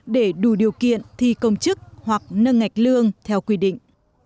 để đủ điều kiện thi công chức hoặc nâng ngạch lương theo quy định